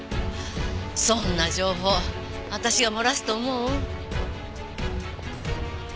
そんな情報私が漏らすと思う？